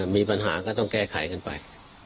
มีปัญหาก็ต้องแก้ไขกันไป